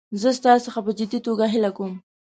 زه ستا څخه په جدي توګه هیله کوم.